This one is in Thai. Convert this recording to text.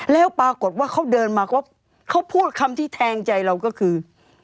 แล้วปรากฏว่าเขาเดินมาเขาพูดคำที่แทงใจเราก็คือ